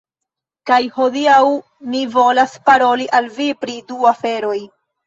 Kaj hodiaŭ mi volas paroli al vi pri du aferoj.